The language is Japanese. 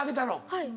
はい。